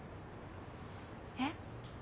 えっ？